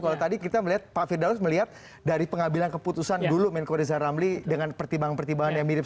kalau tadi kita melihat pak firdaus melihat dari pengambilan keputusan dulu menko rizal ramli dengan pertimbangan pertimbangan yang mirip